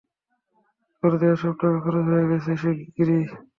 তোর দেয়া সব টাকা খরচ হয়ে গেছে, গিরি।